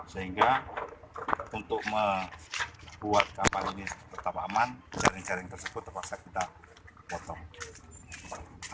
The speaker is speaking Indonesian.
sehingga untuk membuat kapal ini tetap aman jaring jaring tersebut terpaksa kita potong